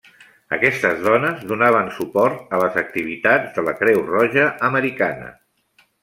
Aquestes dones donaven suport a les activitats de la Creu Roja americana.